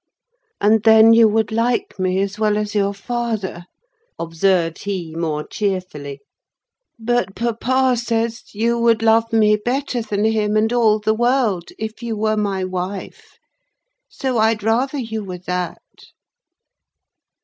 "And then you would like me as well as your father?" observed he, more cheerfully. "But papa says you would love me better than him and all the world, if you were my wife; so I'd rather you were that."